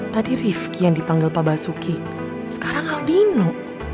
tadi rifki yang dipanggil pak basuki sekarang aldino